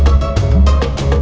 dot dot dot buka dot buka dot